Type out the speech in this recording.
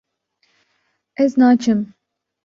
ez naçim